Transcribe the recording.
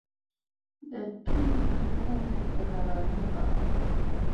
Ndat gi vi nduziyut bazara ni mba.